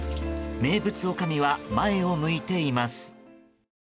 名物おかみは前を向いています。